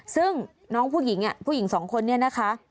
ซึ่งน้องผู้หญิงผู้หญิงสองคนเนี่ยนะคะ